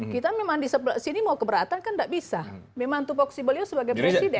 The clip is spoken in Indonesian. kita memang di sebelah sini mau keberatan kan tidak bisa memang tupoksi beliau sebagai presiden